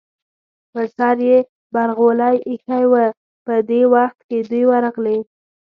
پر سر یې برغولی ایښی و، په دې وخت کې دوی ورغلې.